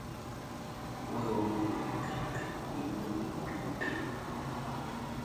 Wewa mulue bimpe kuyi mulue bimpe.